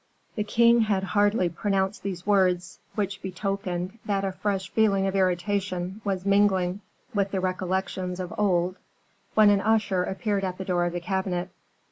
The king had hardly pronounced these words, which betokened that a fresh feeling of irritation was mingling with the recollections of old, when an usher appeared at the door of the cabinet.